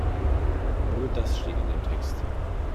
Nur das steht in dem Text!